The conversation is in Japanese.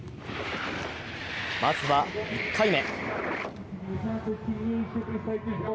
まずは１回目。